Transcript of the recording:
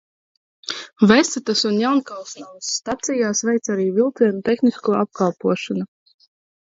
Vesetas un Jaunkalsnavas stacijās veic arī vilcienu tehnisko apkalpošanu.